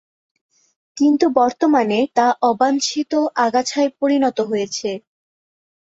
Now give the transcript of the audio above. কিন্তু বর্তমানে তা অবাঞ্ছিত আগাছায় পরিণত হয়েছে।